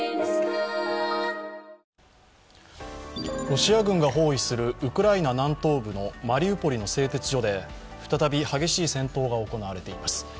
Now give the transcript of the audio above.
ロシア軍が包囲するウクライナ南東部のマリウポリの製鉄所で再び激しい戦闘が行われています。